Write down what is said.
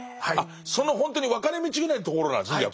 そのほんとに分かれ道ぐらいのところなんですね